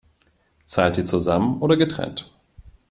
Zahlt ihr zusammen oder getrennt?